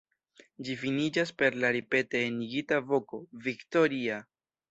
Ĝi finiĝas per la ripete enigita voko „Viktoria!“.